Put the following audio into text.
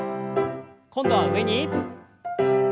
今度は上に。